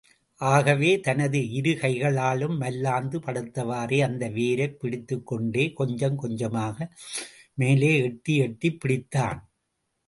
ஆகவே, தனது இருகைகளாலும் மல்லாந்து படுத்தவாறே அந்த வேரைப் பிடித்துக்கொண்டே கொஞ்சம் கொஞ்சமாக மேலே எட்டி எட்டிப் பிடித்தான்.